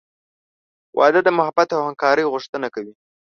• واده د محبت او همکارۍ غوښتنه کوي.